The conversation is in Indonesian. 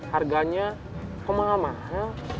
harganya kok mahal mahal